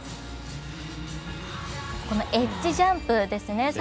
エッジジャンプですね。